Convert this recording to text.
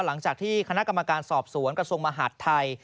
หลังจากที่คณะกรรมการสอบสวนกระทรวงมหาดไทย